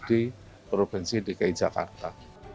di provinsi dki jakarta